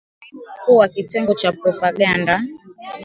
ni kaimu mkuu wa kitengo cha propaganda